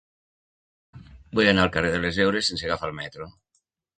Vull anar al carrer de les Heures sense agafar el metro.